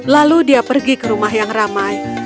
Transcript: lalu dia pergi ke rumah yang ramai